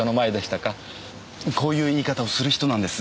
こういう言い方をする人なんです。